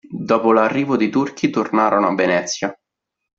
Dopo l'arrivo dei Turchi, tornarono a Venezia.